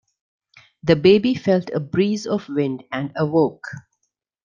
The baby felt a breeze of wind and awoke.